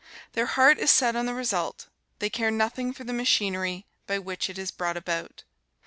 Their heart is set on the result, they care nothing for the machinery by which it is brought about.